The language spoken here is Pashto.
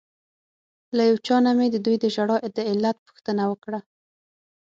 له یو چا نه مې ددوی د ژړا د علت پوښتنه وکړه.